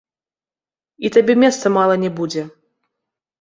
І табе месца мала не будзе.